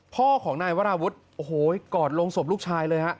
พ่อของนายวราวุฒิกอดลงสวบลูกชายเลยฮะ